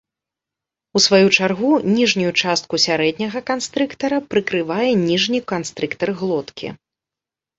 У сваю чаргу, ніжнюю частку сярэдняга канстрыктара прыкрывае ніжні канстрыктар глоткі.